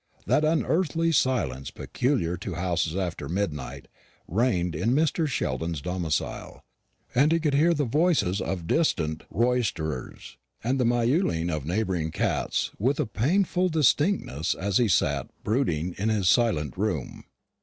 That unearthly silence peculiar to houses after midnight reigned in Mr. Sheldon's domicile, and he could hear the voices of distant roisterers, and the miauling of neighbouring cats, with a painful distinctness as he sat brooding in his silent room.